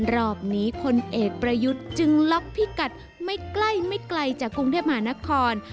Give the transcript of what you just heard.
รอบนี้พลเอกประยุทธ์จึงล็อกพิกัดไม่ใกล้ไม่ไกลจากกรุงเทพมหานคร